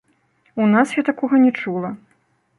У нас я такога не чула.